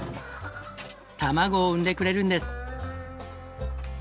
たまごを産んでくれるんです。